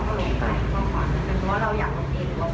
ว่าเราก็ลงไปบ้างความ